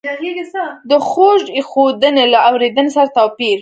د غوږ ایښودنې له اورېدنې سره توپیر